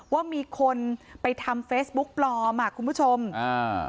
ว่ามีคนไปทำเฟซบุ๊กปลอมอ่ะคุณผู้ชมอ่า